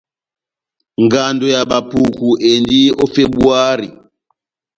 Ngando ya Bapuku endi ó Febuari.